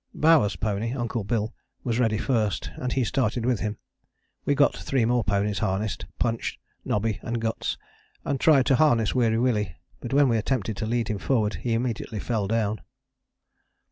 Bowers' pony, Uncle Bill, was ready first, and he started with him. We got three more ponies harnessed, Punch, Nobby and Guts, and tried to harness Weary Willie, but when we attempted to lead him forward he immediately fell down.